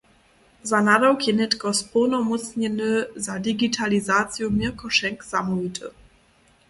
Za nadawk je nětko społnomócnjeny za digitalizaciju Měrko Šenk zamołwity.